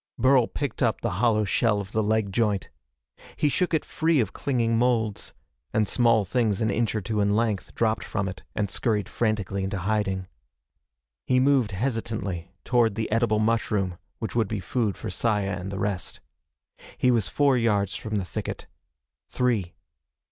Burl picked up the hollow shell of the leg joint. He shook it free of clinging moulds and small things an inch or two in length dropped from it and scurried frantically into hiding. He moved hesitantly toward the edible mushroom which would be food for Saya and the rest. He was four yards from the thicket. Three.